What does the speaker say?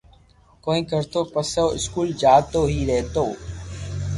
ڪوئي ڪرتو پسو اسڪول جاتو ھي رھتو